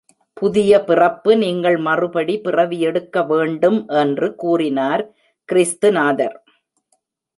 புதிய பிறப்பு நீங்கள் மறுபடி பிறவியெடுக்க வேண்டும் என்று கூறினார் கிறிஸ்து நாதர்.